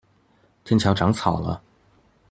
天橋長草了